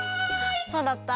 そうだった。